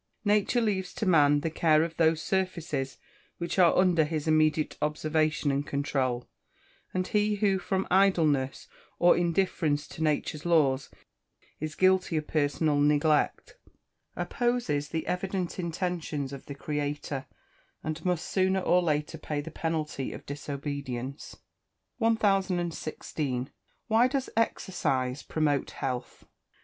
Nature leaves to man the care of those surfaces which are under his immediate observation and controul; and he who, from idleness, or indifference to nature's laws, is guilty of personal neglect, opposes the evident intentions of the Creator, and must sooner or later pay the penalty of disobedience. 1016. _Why does exercise promote health?